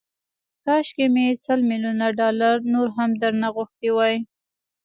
کاشکي مې سل ميليونه ډالر نور هم درنه غوښتي وای